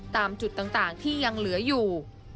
ตามจุดต่างที่ยังเหลืออยู่